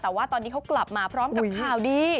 แต่ว่าตอนนี้เขากลับมาพร้อมกับข่าวดี